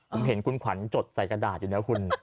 ผมเห็นคุณขวัญจดใส่กระดาษอยู่นะคุณ